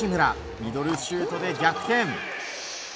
ミドルシュートで逆転！